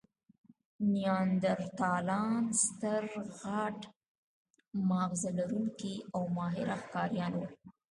نیاندرتالان ستر، غټ ماغزه لرونکي او ماهره ښکاریان وو.